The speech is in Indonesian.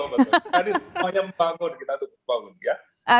tadi semuanya membangun kita tuh membangun ya